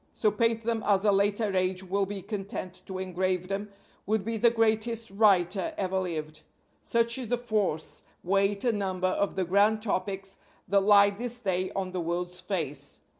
so paint them as a later age will be content to engrave them, would be the greatest writer ever lived. Such is the force, weight and number of the grand topics that lie this day on the world's face.